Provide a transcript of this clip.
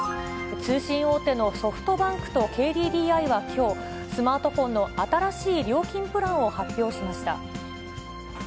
通信大手のソフトバンクとＫＤＤＩはきょう、スマートフォンの新しい料金プランを発表しました。